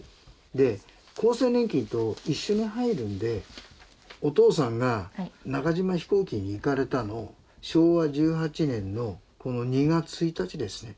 で厚生年金と一緒に入るんでお父さんが中島飛行機に行かれたの昭和１８年の２月１日ですね。